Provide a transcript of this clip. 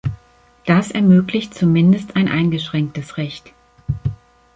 Das ermöglicht zumindest ein eingeschränktes Recht.